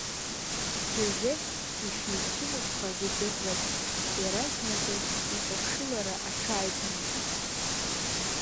Џьозеф ишицәымыӷхаз удырратә, еразнакы иҿаԥшылара аҽааиҭанакит.